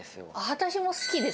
私も好きです。